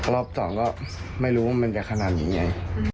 รอบสองก็ไม่รู้ว่ามันจะขนาดนี้ไง